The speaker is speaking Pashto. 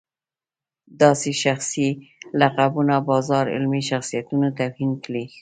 داسې شخصي لقبونو بازار علمي شخصیتونو توهین کړی.